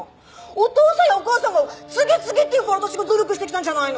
お父さんやお母さんが「継げ継げ」って言うから私が努力してきたんじゃないの！